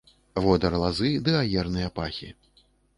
Водар лазы ды аерныя пахі.